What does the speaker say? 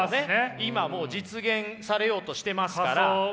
今もう実現されようとしてますから。